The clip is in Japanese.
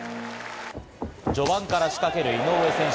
序盤から仕掛ける井上選手。